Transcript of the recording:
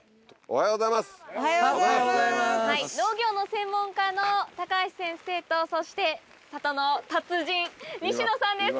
・おはようございます・農業の専門家の高橋先生とそして里の達人西野さんです。